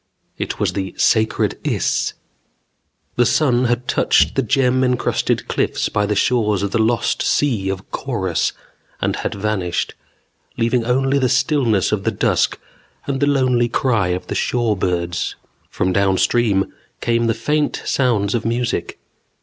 It was the Sacred Iss. The sun had touched the gem encrusted cliffs by the shores of the Lost Sea of Korus and had vanished, leaving only the stillness of the dusk and the lonely cry of shore birds. From downstream came the faint sounds of music.